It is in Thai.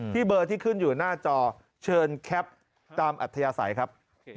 เบอร์ที่ขึ้นอยู่หน้าจอเชิญแคปตามอัธยาศัยครับ